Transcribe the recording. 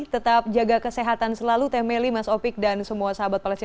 tetap jaga kesehatan selalu teh meli mas opik dan semua sahabat palestina